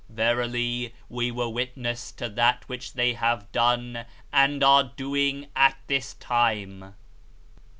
"Verily, We were Witness to that which they have done and are doing at this time."